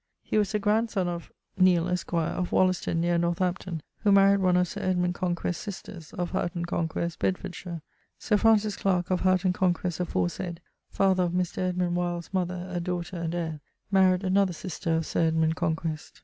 He was the grandsonne of ... Neale, esq., of Wollaston near Northampton, who maried one of Sir Edmund Conquest's sisters, of Houghton Conquest, Bedfordshire. Sir Francis Clarke of Houghton Conquest aforesaid (father of Mr. Edmund Wyld's mother, a daughter and heir) maried another sister of Sir Edmund Conquest.